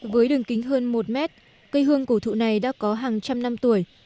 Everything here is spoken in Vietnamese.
với đường kính hơn một mét cây hương cổ thụ này đã có hàng trăm năm tuổi